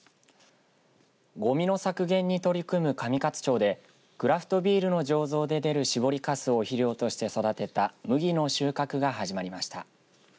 ごみの削減に取り組む上勝町でクラフトビールの醸造で出る搾りかすを肥料として育てた麦の収穫が始まりました。